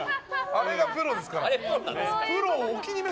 あれがプロです。